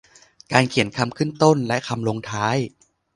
การเขียนคำขึ้นต้นและคำลงท้าย